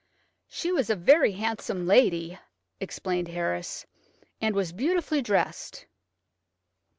"She was a very handsome lady," explained Harris, "and was beautifully dressed."